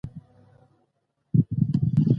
سياسي پاڅونونه د بدلون لامل ګرځي.